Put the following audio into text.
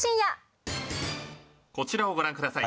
「こちらをご覧ください」